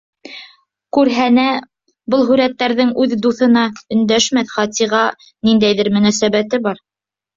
Күрһәнә, был һүрәттәрҙең үҙ дуҫына — өндәшмәҫ Хатиға ниндәйҙер мөнәсәбәте бар.